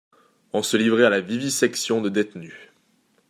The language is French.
On se livrait à la vivisection de détenus.